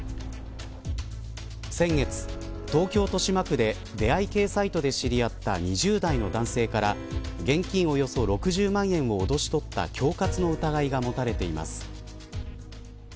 先月、東京、豊島区で出会い系サイトで知り合った２０代の男性から現金およそ６０万円を脅し取った恐喝の疑いが持たれています。